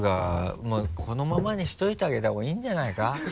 もうこのままにしておいてあげた方がいいんじゃないか？